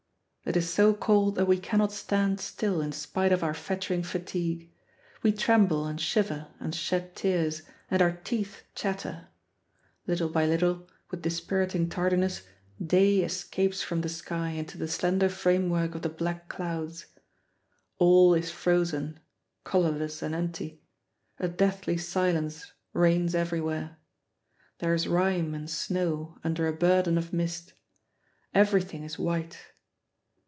It is so cold that we cannot stand still in spite of our fettering fatigue. We tremble and shiver and shed tears, and our teeth chatter. Little by little, with dispiriting tardiness, day escapes from the sky into the slender framework of the black clouds. All is frozen, colorless and empty; a deathly silence reigns everywhere. There is rime and snow under a burden of mist. Everything is white.